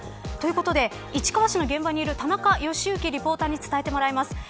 ということで、市川市の現場にいる田中良幸リポーターに伝えてもらいます。